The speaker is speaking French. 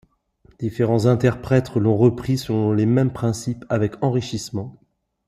Différents interprètes l'on repris selon les mêmes principes, avec enrichissement.